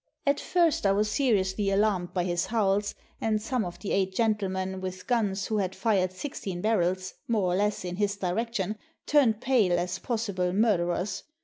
At first, I was seriously alarmed by his howls, and some of the eight gentlemen with guns who had fired sixteen barrels, more or less, in his direction, turned pale as possible mur derers.